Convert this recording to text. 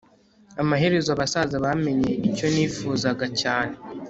amaherezo abasaza bamenye icyo nifuzaga cyane